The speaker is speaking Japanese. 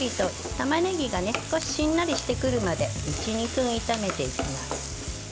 たまねぎが少ししんなりしてくるまで１２分、炒めていきます。